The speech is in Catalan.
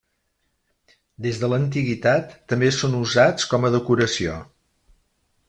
Des de l'antiguitat també són usats com a decoració.